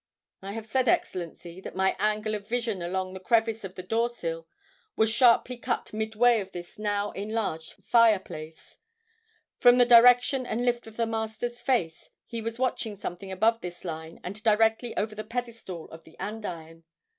"I have said, Excellency, that my angle of vision along the crevice of the doorsill was sharply cut midway of this now enlarged fireplace. From the direction and lift of the Master's face, he was watching something above this line and directly over the pedestal of the andiron.